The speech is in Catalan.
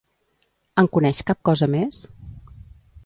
En coneix cap cosa més?